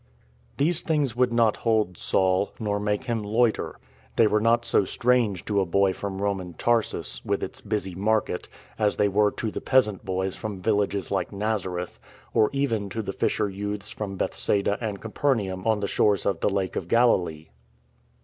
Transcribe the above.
These things would not hold Saul, nor make him loiter. They were not so strange to a boy from Roman Tarsus, with its busy market, as they were to the peasant boys from villages like Nazareth, or even to the fisher youths from Bethsaida and Capernaum on the shores of the Lake of Galilee.